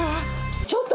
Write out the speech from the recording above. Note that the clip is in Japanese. ちょっと！